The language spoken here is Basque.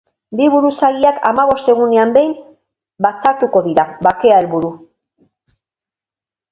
Bi buruzagiak hamabost egunean behin batzartuko dira, bakea helburu.